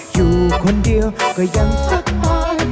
อยู่คนเดียวก็ยังสักห้อง